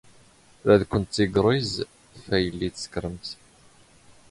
ⵔⴰⴷ ⴽⵯⵏⵜ ⵜⵉⴳⵕⵉⵥ ⴼ ⴰⵢⵍⵍⵉ ⵜⵙⴽⵔⵎⵜ.